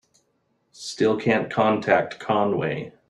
Still can't contact Conway.